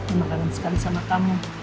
aku kangen sekali sama kamu